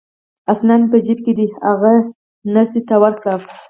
اسناد مې په جیب کې دي، هغه نرسې ته ورکړه.